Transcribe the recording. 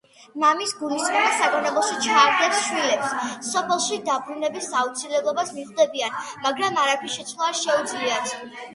მამის გულისწყრომა საგონებელში ჩააგდებს შვილებს, სოფელში დაბრუნების აუცილებლობას მიხვდებიან, მაგრამ არაფრის შეცვლა არ შეუძლიათ.